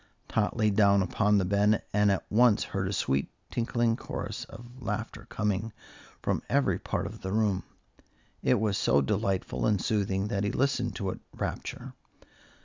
Tot lay down upon the bed, and at once heard a sweet, tinkling chorus of laughter coming from every part of the room. It was so delightful and soothing that he listened to it rapture.